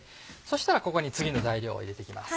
したらここに次の材料を入れて行きます。